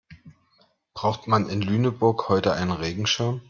Braucht man in Lüneburg heute einen Regenschirm?